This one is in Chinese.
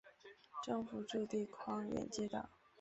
政府驻地匡远街道。